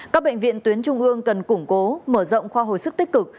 các bệnh viện tuyến trung ương cần củng cố mở rộng khoa hồi sức tích cực